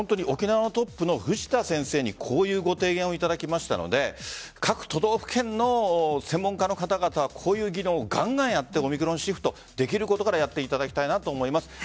沖縄のトップの藤田先生にこういうご提言を頂きましたので各都道府県の専門家の方々はこういう議論をガンガンやってオミクロンシフトできることからやっていただきたいと思います。